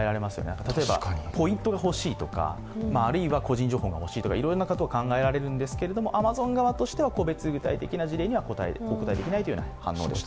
例えばポイントがほしいとかあるいは個人情報がほしいとかいろんなことが考えられるんですけれどもアマゾン側としては個別具体的な事例にはお答えできないという反応でした。